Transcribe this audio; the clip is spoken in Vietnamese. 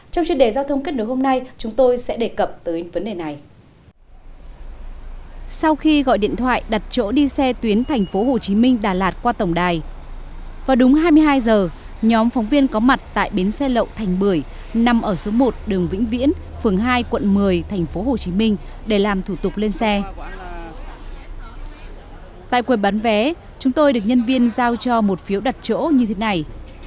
trong chuyên đề giao thông kết nối hôm nay chúng tôi sẽ đề cập tới vấn đề này